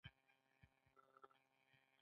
پانګوال خپله پانګه د ساتلو لپاره بانکونو ته سپاري